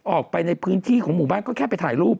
ออกไปในพื้นที่ของหมู่บ้านก็แค่ไปถ่ายรูป